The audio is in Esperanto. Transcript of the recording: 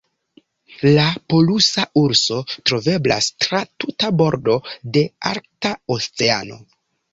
La polusa urso troveblas tra tuta bordo de Arkta Oceano.